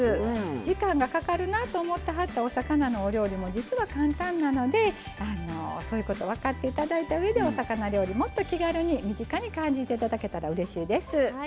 時間がかかるなと思ってはったお魚のお料理も実は簡単なのでそういうことを分かって頂いたうえでお魚料理もっと気軽に身近に感じて頂けたらうれしいです。